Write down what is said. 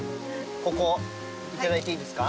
ここいただいていいですか？